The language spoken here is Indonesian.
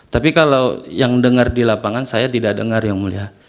tapi kalau yang dengar di lapangan saya tidak dengar yang mulia